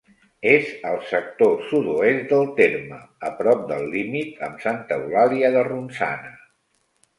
És al sector sud-oest del terme, a prop del límit amb Santa Eulàlia de Ronçana.